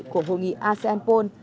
của hội nghị asean napron